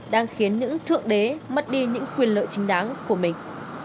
đang khiến những thượng đế mất đi những quyền lợi chính đáng của mình